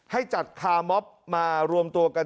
ให้จัดคาร์มอบมารวมตัวกัน